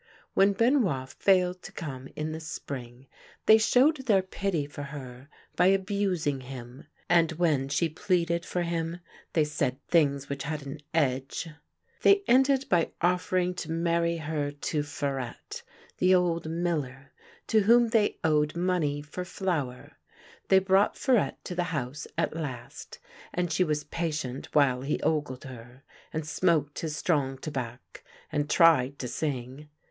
When Benoit failed to come in the spring, they showed their pity for her by abusing him ; and when she pleaded for him they said things which had an edge. They ended by offering to marry 153 THE LANE THAT HAD NO TURNING her to Farette, the old miller, to whom they owed money for flour. They brought Farette to the house at last, and she was patient while he ogled her, and smoked his strong fabac, and tried to sing.